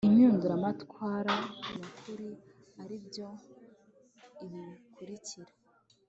impinduramatwara nyakuri, aribyo ibi bikurikira